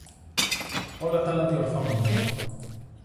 Όλα τ' άλλα διορθώνονται.